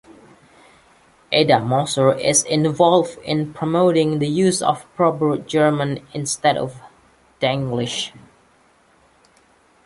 Edda Moser is involved in promoting the use of proper German instead of Denglisch.